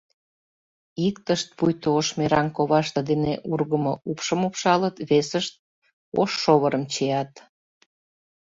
Иктышт пуйто ош мераҥ коваште дене ургымо упшым упшалыт, весышт — ош шовырым чият.